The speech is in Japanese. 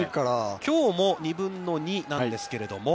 きょうも２分の２なんですけれども。